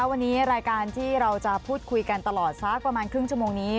วันนี้รายการที่เราจะพูดคุยกันตลอดสักประมาณครึ่งชั่วโมงนี้